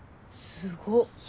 すごっ。